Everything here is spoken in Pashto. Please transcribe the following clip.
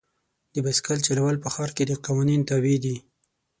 د بایسکل چلول په ښار کې د قوانین تابع دي.